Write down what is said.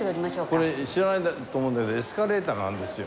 これ知らないと思うんだけどエスカレーターがあるんですよ。